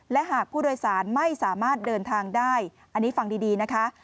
และหากผู้โดยสารไม่สามารถเดินทางได้อันนี้ฟังดีนะคะ